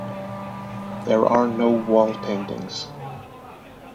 There are no wall paintings.